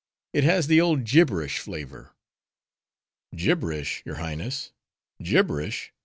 "It has the old gibberish flavor." "Gibberish, your Highness? Gibberish?